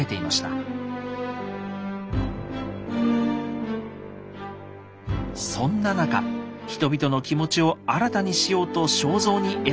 そんな中人々の気持ちを新たにしようと肖像に選ばれたのが聖徳太子でした。